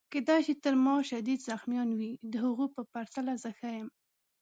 کیدای شي تر ما شدید زخمیان وي، د هغو په پرتله زه ښه یم.